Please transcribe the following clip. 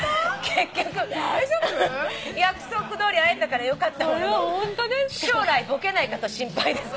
「結局約束どおり会えたからよかったものの将来ぼけないかと心配です」